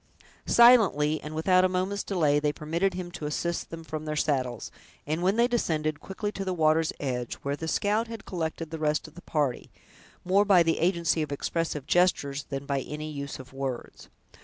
Silently, and without a moment's delay, they permitted him to assist them from their saddles, and when they descended quickly to the water's edge, where the scout had collected the rest of the party, more by the agency of expressive gestures than by any use of words.